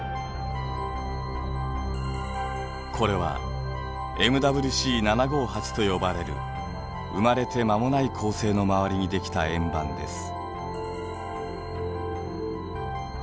これはＭＷＣ７５８と呼ばれる生まれて間もない恒星の周りにできた円盤です。